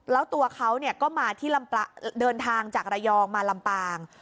แล้วตัวเขาก็มาที่เดินทางจากระยองมาลำปาง